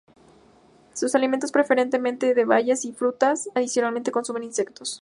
Se alimenta preferentemente de bayas y frutas; adicionalmente consume insectos.